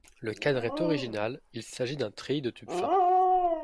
Le cadre est original, il s'agit d'un treillis de tubes fins.